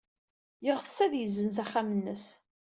Yeɣtes ad yessenz axxam-nnes.